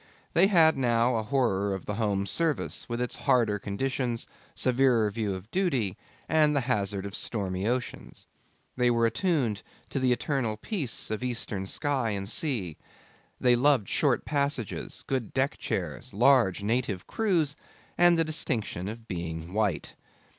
They had now a horror of the home service, with its harder conditions, severer view of duty, and the hazard of stormy oceans. They were attuned to the eternal peace of Eastern sky and sea. They loved short passages, good deck chairs, large native crews, and the distinction of being white.